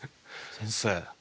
先生